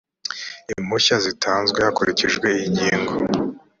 impushya zitanzwe hakurikijwe iyi ngingo